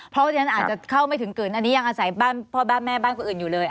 เพราะฉะนั้นอาจจะเข้าไม่ถึงเกินอันนี้ยังอาศัยบ้านพ่อบ้านแม่บ้านคนอื่นอยู่เลย